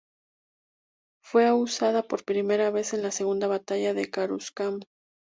Fue usada por primera vez en la segunda batalla de Coruscant.